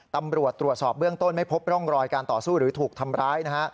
ตำรวจตรวจสอบเบื้องต้นไม่พบร่องรอยการต่อสู้หรือถูกทำร้ายนะฮะ